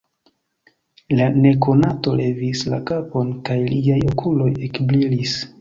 La nekonato levis la kapon, kaj liaj okuloj ekbrilis.